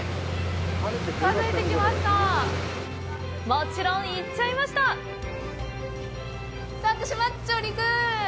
もちろん行っちゃいましたー！